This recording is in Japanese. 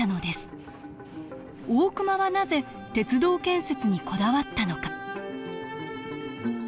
大隈はなぜ鉄道建設にこだわったのか。